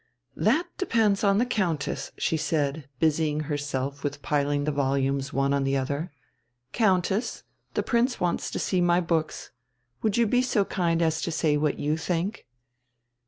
"That depends on the Countess," she said, busying herself with piling the volumes one on the other. "Countess, the Prince wants to see my books. Would you be so kind as to say what you think?"